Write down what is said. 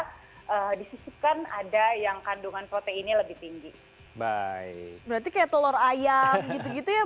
kita disisipkan ada yang kandungan proteinnya lebih tinggi baik berarti kayak telur ayam gitu gitu ya